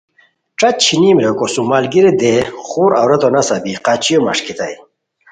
ݯت چھینیم ریکو سوم ملگیری دئے خور عورتو نسہ بی قچیو مݰکیتائے